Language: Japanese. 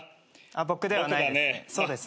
僕ではないです。